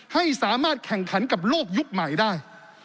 ให้สามารถแข่งขันกับโลกยุคใหม่ได้